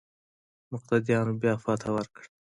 مقتديانو بيا فتحه ورکړه.